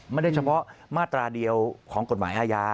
ไม่ได้เฉพาะมาตราเดียวของกฎหมายอาญา